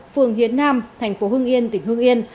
phường hiến nam thành phố hương yên tỉnh hương yên